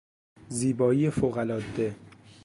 زیبایی فوق العاده